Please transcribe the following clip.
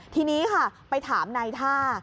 ทีนี้ค่ะไปถามนายท่า